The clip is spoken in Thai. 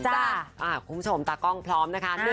คุณผู้ชมตากล้องพร้อมนะคะ